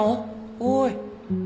おい。